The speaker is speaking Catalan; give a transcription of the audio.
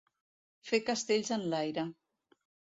Fer castells en l'aire.